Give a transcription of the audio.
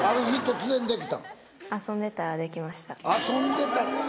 遊んでたらできました。